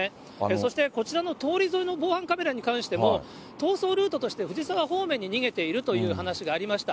そしてこちらの通り沿いの防犯カメラに関しても、逃走ルートとして藤沢方面に逃げているという話もありました。